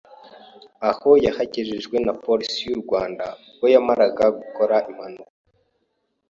aho yahagejejwe na polisi y’u Rwanda ubwo yamaraga gukora impanuka